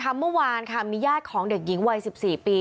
เมื่อวานค่ะมีญาติของเด็กหญิงวัย๑๔ปี